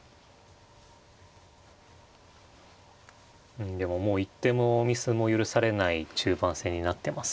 うんでももう一手のミスも許されない中盤戦になってます。